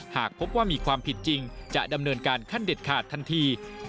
หากพบว่ามีความผิดจริงจะดำเนินการขั้นเด็ดขาดทันที